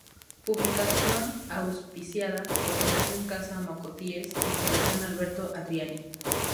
Publicación auspiciada por Fundación Casa Mocotíes y Fundación Alberto Adriani.